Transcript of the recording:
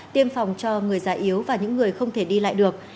tiêm phòng cho người già yếu và những người không thể đi lại được